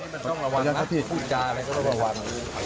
มันต้องระวังนะครับที่ผู้จาร